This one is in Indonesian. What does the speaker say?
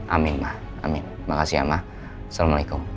amin ma amin makasih ya ma assalamualaikum